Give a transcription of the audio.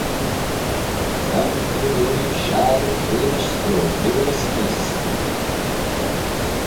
Shegin dooin ooilley shassoo fenish stoyl-briwnys Chreest.